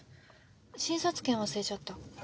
診察券忘れちゃった。